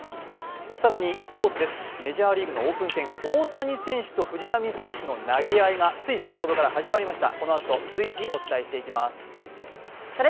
更にスポーツです、メジャーリーグのオープン戦、大谷選手と藤浪選手の投げ合いがつい先ほどから始まりました。